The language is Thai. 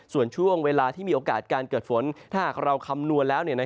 ส่วนช่วงเวลาที่มีโอกาสการเกิดฝนถ้าหากเราคำนวณแล้ว